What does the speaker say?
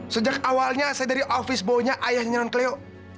sejak awalnya saya dari office baunya ayahnya non kleo